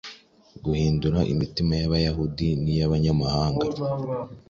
guhindura imitima y’Abayahudi n’iy’abanyamahanga,